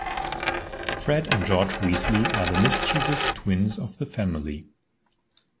Fred and George Weasley are the mischievous twins of the family.